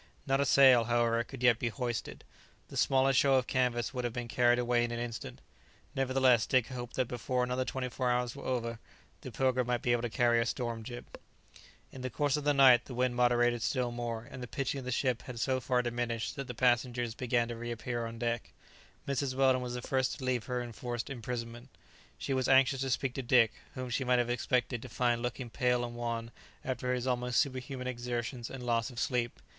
Not a sail, however, could yet be hoisted; the smallest show of canvas would have been carried away in an instant; nevertheless Dick hoped that before another twenty four hours were over, the "Pilgrim" might be able to carry a storm jib. In the course of the night the wind moderated still more and the pitching of the ship had so far diminished that the passengers began to reappear on deck. Mrs. Weldon was the first to leave her enforced imprisonment. She was anxious to speak to Dick, whom she might have expected to find looking pale and wan after his almost superhuman exertions and loss of sleep.